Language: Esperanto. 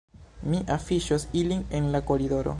Mi afiŝos ilin en la koridoro